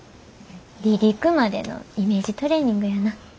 離陸までのイメージトレーニングやな。